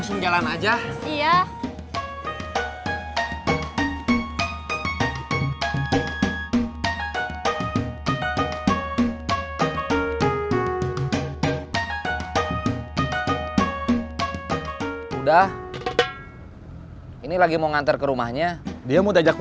kalau lagi gak sibuk